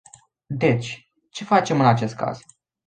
Deci, ce facem în acest caz?